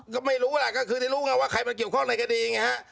ก็ไม่รู้แหละก็คือจะรู้ค่ะว่าใครมันเกี่ยวข้องในคดีอย่างนี้ฮะ